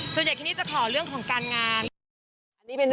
ส่วนใหญ่ที่นี่จะขอเรื่องของการงาน